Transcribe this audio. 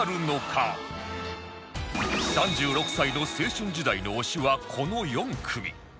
３６歳の青春時代の推しはこの４組